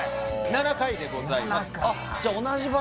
７回でございます